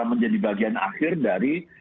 menjadi bagian akhir dari